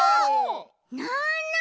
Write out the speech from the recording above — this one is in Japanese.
なな！